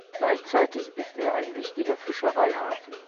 Gleichzeitig ist er ein wichtiger Fischereihafen.